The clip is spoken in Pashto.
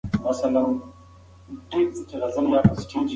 ماشوم د ونې څانګه لمس کړه.